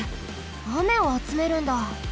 あめをあつめるんだ。